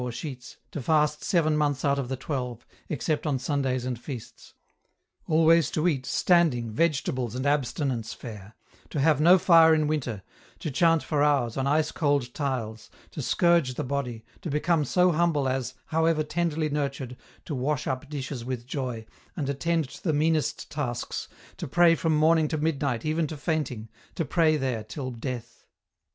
55 or sheets, to fast seven months out of the twelve, except on Sundays and feasts ; always to eat, standing, vegetables and abstinence fare ; to have no fire in winter, to chant for hours on ice cold tiles, to scourge the body, to become so humble as, however tenderly nurtured, to wash up dishes with joy, and attend to the meanest tasks, to pray from morning to midnight even to fainting, to pray there till death.